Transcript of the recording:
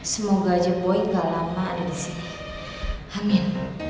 semoga aja boy gak lama ada disini amin